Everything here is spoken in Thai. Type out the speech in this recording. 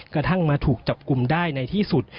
กระทั่งมาถูกจับกลุ่มได้ในที่สุด